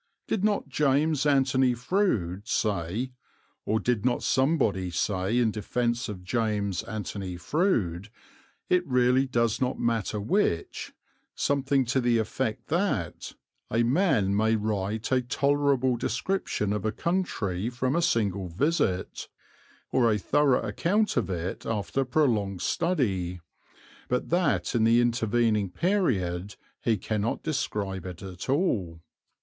Did not James Anthony Froude say, or did not somebody say in defence of James Anthony Froude it really does not matter which something to the effect that a man may write a tolerable description of a country from a single visit, or a thorough account of it after prolonged study, but that in the intervening period he cannot describe it at all?